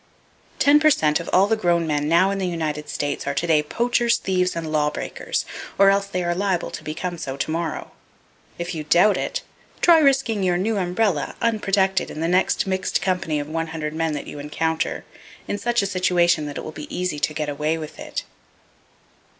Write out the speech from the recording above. Ten per cent of all the grown men now in the United States are to day poachers, thieves and law breakers, or else they are liable to become so to morrow. If you doubt it, try risking your new umbrella unprotected in the next mixed company of one hundred men that you encounter, in such a situation that it will be easy to "get away" with it.